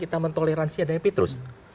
kita mentoleransi ada petrus